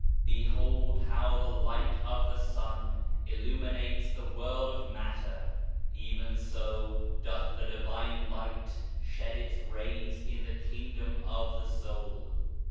Behold how the light of the sun illuminates the world of matter : even so doth the Divine Light shed its rays in the king dom of the soul.